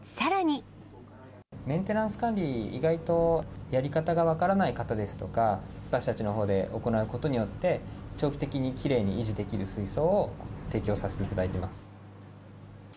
メンテナンス管理、意外とやり方が分からない方ですとか、私たちのほうで行うことによって、長期的にきれいに維持できる水槽を提供させていただいています。